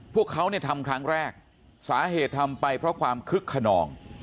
พวกเขาเนี่ยทำครั้งแรกสาเหตุทำไปเพราะความคึกขนอง